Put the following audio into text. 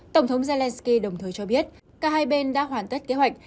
tổng thống zelensky đồng thời cho biết cả hai bên đã hoàn tất kế hoạch